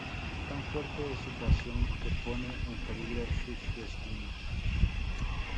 Tan fuerte es su pasión que pone en peligro sus destinos.